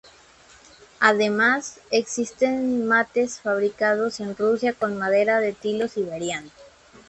Además, existen mates fabricados en Rusia con madera de tilo siberiano.